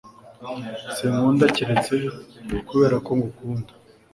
sinkunda keretse kuberako ngukunda